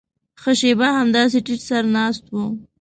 ښه شېبه همداسې ټيټ سر ناست و.